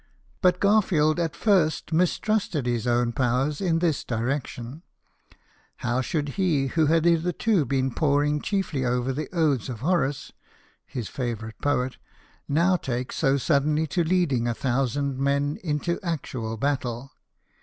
But Garfield at first mistrusted his own powers in this direction. How should he, who had hitherto been poring chiefly over the odes of Horace (his favourite poet), now take so suddenly to leading a thousand men into actual battle